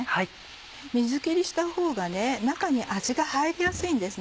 水切りしたほうが中に味が入りやすいんですね。